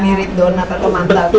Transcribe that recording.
mirip donat atau temantau